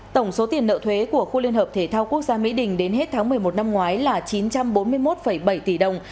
tổng số tiền nợ thuế của khu liên hợp thể thao quốc gia mỹ đình đến hết tháng một mươi một năm ngoái là chín trăm bốn mươi một bảy tỷ đồng